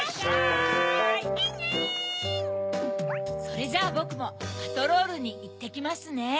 それじゃあぼくもパトロールにいってきますね。